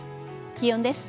気温です。